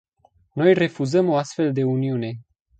Noi refuzăm o astfel de uniune.